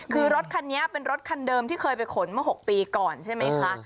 คือรถคันนี้เป็นรถคันเดิมที่เคยไปขนเมื่อ๖ปีก่อนใช่ไหมคะ